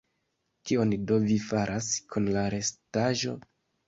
Kion do vi faras kun la restaĵo?